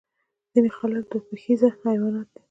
ځینې خلک دوه پښیزه حیوانات دي